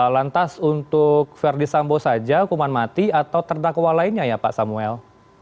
lantas untuk verdi sambo saja hukuman mati atau terdakwa lainnya ya pak samuel